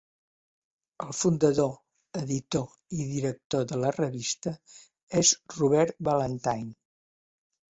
El fundador, editor i director de la revista és Robert Ballantyne.